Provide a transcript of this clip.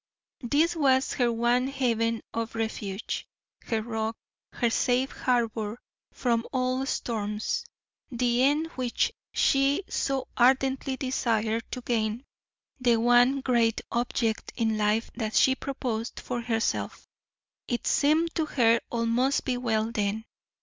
This was her one haven of refuge, her rock, her safe harbor from all storms; the end which she so ardently desired to gain; the one great object in life that she proposed for herself; it seemed to her all must be well then.